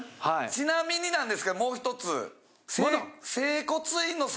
ちなみになんですけどもうひとつ。